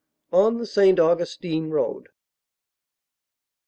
ON THE ST. AUGUSTINE ROAD.